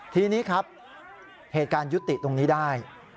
ทีนี้ครับเหตุการณ์ยุติตรงนี้ได้